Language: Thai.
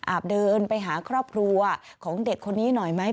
เดินไปหาครอบครัวของเด็กคนนี้หน่อยไหม